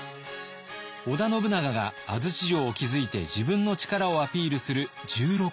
織田信長が安土城を築いて自分の力をアピールする１６年前。